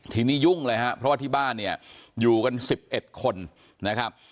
ทีนี้ยุ่งเลยครับเพราะว่าที่บ้านเนี่ยอยู่กัน๑๑คนนะครับ